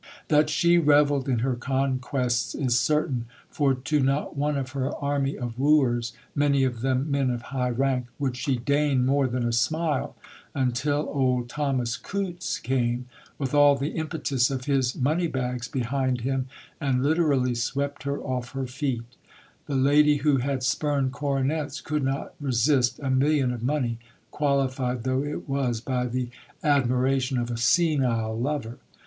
That she revelled in her conquests is certain; for to not one of her army of wooers, many of them men of high rank, would she deign more than a smile, until old Thomas Coutts came, with all the impetus of his money bags behind him, and literally swept her off her feet The lady who had spurned coronets could not resist a million of money, qualified though it was by the admiration of a senile lover.